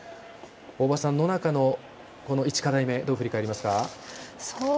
大場さん、野中の１課題目どう振り返りますか？